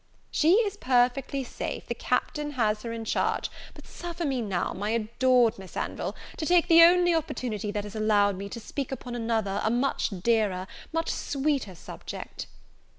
"She is perfectly safe; the Captain has her in charge: but suffer me now, my adored Miss Anville, to take the only opportunity that is allowed me, to speak upon another, a much dearer, much sweeter subject."